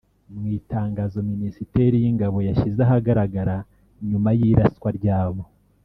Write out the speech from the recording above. mu itangazo Minisiteri y'ingabo yashyize ahagaragara nyuma y'iraswa ryabo